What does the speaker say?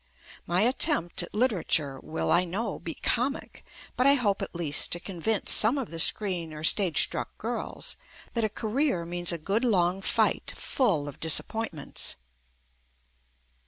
My attempt at lit erature will, I know, be comic, but I hope at least to convince some of the screen or stage struck girls that a career means a good long fight, full of disappointments.